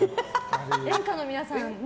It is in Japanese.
演歌の皆さんね。